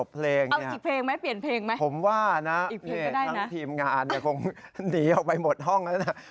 ผมว่านะทั้งทีมงานคงหนีออกไปหมดห้องแล้วนะ